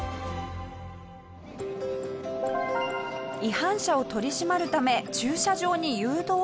違反者を取り締まるため駐車場に誘導した警察官。